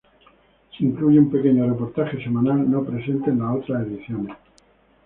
Se incluye un pequeño reportaje semanal no presente en las otras ediciones.